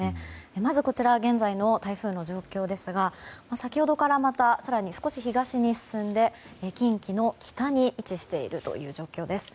まず、現在の台風の状況ですが先ほどから、また更に少し東へ進んで近畿の北に位置しているという状況です。